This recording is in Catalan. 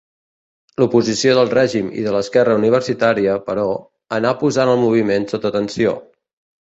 L'oposició del règim i de l'esquerra universitària, però, anà posant el moviment sota tensió.